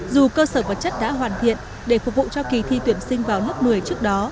dù cơ sở vật chất đã hoàn thiện để phục vụ cho kỳ thi tuyển sinh vào lớp một mươi trước đó